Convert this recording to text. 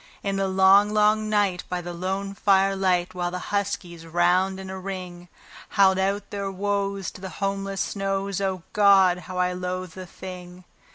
In the long, long night, by the lone firelight, while the huskies, round in a ring, Howled out their woes to the homeless snows O God! how I loathed the thing.